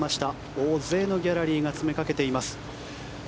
大勢のギャラリーが詰めかけています。